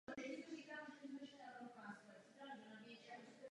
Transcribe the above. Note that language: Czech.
Olga vystudovala historii na Filozofické fakultě Karlovy univerzity.